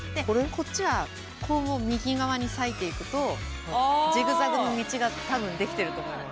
こっちは右側に割いていくとジグザグの道が多分出来てると思います。